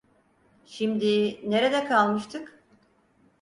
Şimdi, nerede kalmıştık?